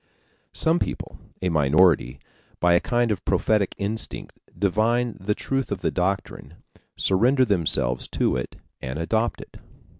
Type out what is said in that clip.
Some people a minority by a kind of prophetic instinct divine the truth of the doctrine, surrender themselves to it and adopt it.